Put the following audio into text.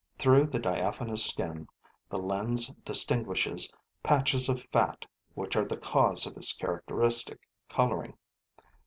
Through the diaphanous skin, the lens distinguishes patches of fat, which are the cause of its characteristic coloring.